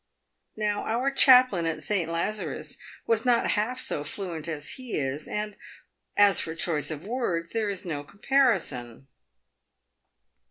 Now our chaplain at St. Lazarus was not half so fluent as he is, and, as for choice of words, there is no comparison."